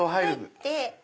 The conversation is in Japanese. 入って。